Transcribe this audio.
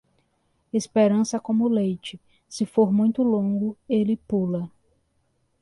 Esperança é como leite: se for muito longo, ele pula.